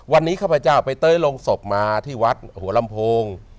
วันนี้ข้าพเจ้าไปเต้ยลงศพมาที่วัดหัวลำโพง